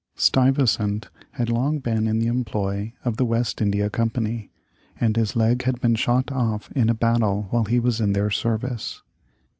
Stuyvesant had long been in the employ of the West India Company, and his leg had been shot off in a battle while he was in their service.